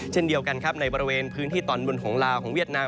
เช่นเดียวกันครับในบริเวณพื้นที่ตอนบนของลาวของเวียดนาม